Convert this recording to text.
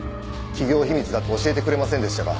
企業秘密だって教えてくれませんでしたが。